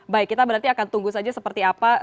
baik kita berarti akan tunggu saja seperti apa